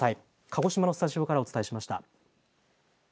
鹿児島のスタジオからお伝えしました。